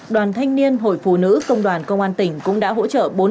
đoàn thanh niên hội phụ nữ công đoàn công an tỉnh cũng đã hỗ trợ